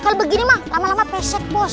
kalau begini mah lama lama pesek pos